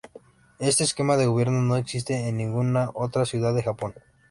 Este esquema de gobierno no existe en ninguna otra ciudad de Japón.